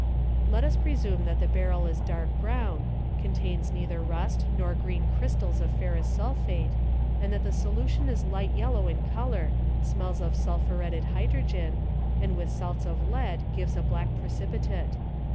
Let us pre sume that the barrel is dark brown, contains neither rust nor green x _orystals of ferrous sulphate, and that the solution is hght yellow in colour, smells of sulphuretted hydrogen, and with salts of lead gives | a black precipitate.